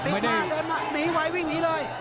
หน้าเดินมาหนีไววิ่งหนีเลย